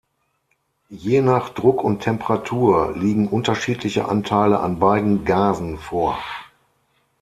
Je nach Druck und Temperatur liegen unterschiedliche Anteile an beiden Gasen vor.